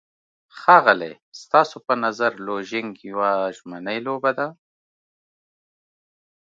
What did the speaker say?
ښاغلی، ستاسو په نظر لوژینګ یوه ژمنی لوبه ده؟